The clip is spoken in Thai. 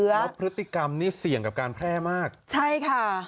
แล้วพฤติกรรมนี่เสี่ยงกับการแพร่มากใช่ค่ะ